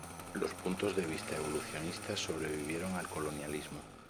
Los puntos de vista evolucionistas sobrevivieron al colonialismo.